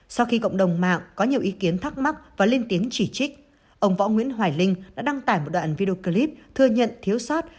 sau khi cộng đồng mạng có nhiều ý kiến thắc mắc và lên tiếng chỉ trích ông võ nguyễn hoài linh đã đăng tải một đoạn video clip thừa nhận thiếu sót